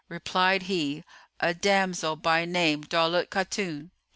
Replied he, "A damsel by name Daulat Khatun."